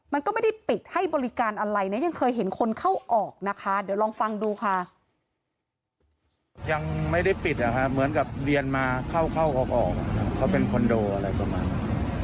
ไม่ปิดนะคะเหมือนกับเวียนมาเข้าเขาออกเขาเป็นคอนโดอะไรประมาณนั้น